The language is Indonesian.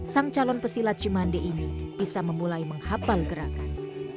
sang calon pesila cimande ini bisa memulai menghabal gerakan